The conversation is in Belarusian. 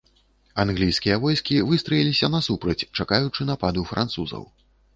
Англійскія войскі выстраіліся насупраць, чакаючы нападу французаў.